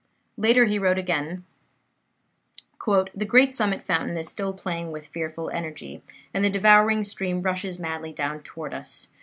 '" Later he wrote again: "The great summit fountain is still playing with fearful energy, and the devouring stream rushes madly down toward us.